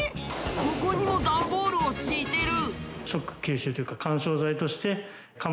ここにも段ボールを敷いてる。